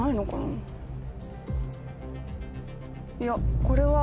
いやこれは。